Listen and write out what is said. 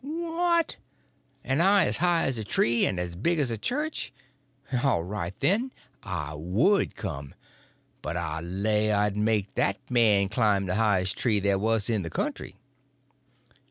"What! and I as high as a tree and as big as a church? All right, then; I would come; but I lay I'd make that man climb the highest tree there was in the country."